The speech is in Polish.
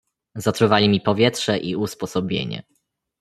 "Zatruwali mi powietrze i usposobienie."